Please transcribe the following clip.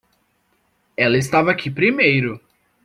Ela estava aqui primeiro.